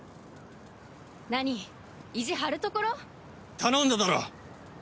頼んだだろ！